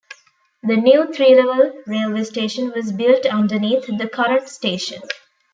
The new, three-level, railway station was built underneath the current station.